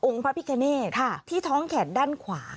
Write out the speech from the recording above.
พระพิคเนตที่ท้องแขนด้านขวา